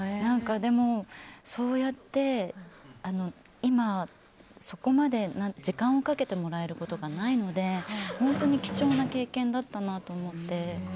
でもそうやって今そこまで時間をかけてもらえることがないので本当に貴重な経験だったなと思って。